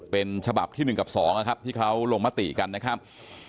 เป็นฉบับที่๑กับ๒นะครับที่เขาลงมติกันนะครับ